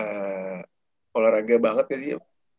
emang olahraga banget ya sih ya